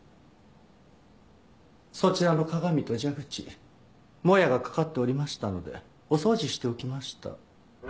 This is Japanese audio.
そちらの鏡と蛇口もやがかかっておりましたのでお掃除しておきました。